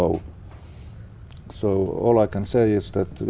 rất thú vị